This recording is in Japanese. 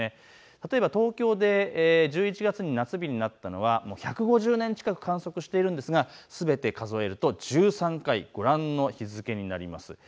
例えば東京で１１月に夏日になったのは１５０年近く観測しているんですがすべて数えると１３回、ご覧の日付になります。